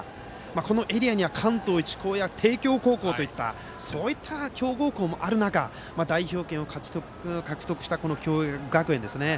このエリアには関東一高や帝京高校といったそういった強豪校もある中代表権を獲得したこの共栄学園ですよね。